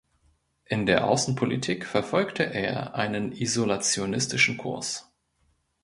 In der Außenpolitik verfolgte er einen isolationistischen Kurs.